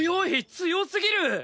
強すぎる。